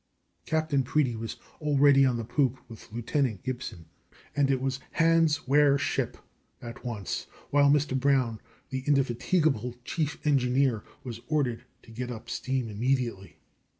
Captain Preedy was already on the poop, with Lieutenant Gibson, and it was "Hands, wear ship," at once, while Mr. Brown, the indefatigable chief engineer, was ordered to get up steam immediately.